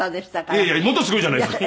いやいやもっとすごいじゃないですか。